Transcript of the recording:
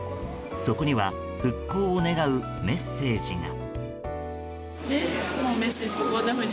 そこには復興を願うメッセージが。